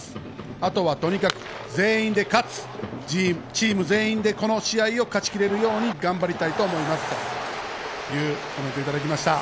あとはとにかく全員で勝つ、チーム全員でこの試合を勝ちきれるように頑張りたいと思いますというコメントをいただきました。